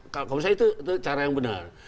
kalau misalnya itu cara yang benar